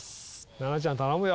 菜々ちゃん頼むよ。